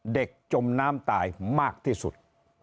จมน้ำตายมากที่สุด